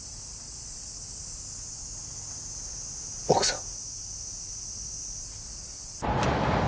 奥さん？